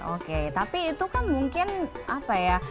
oke tapi itu kan mungkin kurang sehat